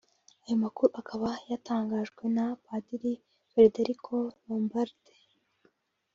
Ayo makuru akaba yatangajwe na Padiri Federico Lombardi